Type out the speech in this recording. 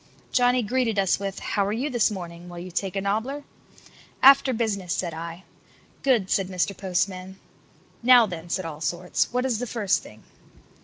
Johnny greeted us with, "How are you this morning? Will you take a nobbler?" "After business," said I. "Good," said Mr. Postman. "Now, then," said Allsorts, "what is the first thing?"